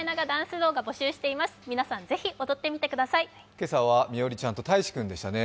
今朝は、みおりちゃんとたいし君でしたね。